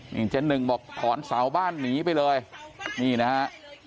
นี่เจ๊หนึ่งบอกถอนเสาบ้านหนีไปเลยนี่นะฮะ